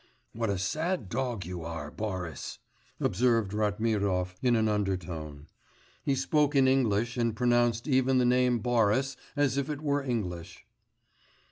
'What a sad dog you are, Boris!' observed Ratmirov in an undertone. He spoke in English and pronounced even the name 'Boris' as if it were English.